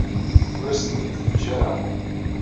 Ur asen-ten-id-yeǧǧa ara.